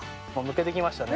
むけてきました。